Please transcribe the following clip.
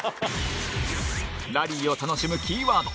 ラリーを楽しむキーワード。